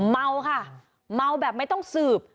เมาค่ะเมาแบบไม่ต้องสืบ